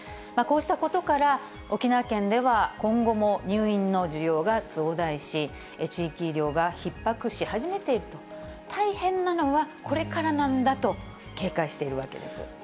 こうしたことから、沖縄県では、今後も入院の需要が増大し、地域医療がひっ迫し始めていると、大変なのはこれからなんだと警戒しているわけです。